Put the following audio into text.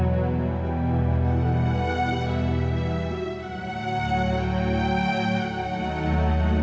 biar mila bisa menjauh dari kehidupan kak fadil